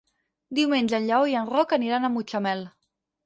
Diumenge en Lleó i en Roc aniran a Mutxamel.